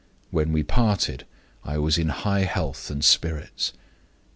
When we parted, I was in high health and spirits.